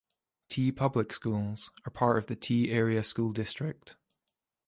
Tea Public Schools are part of the Tea Area School District.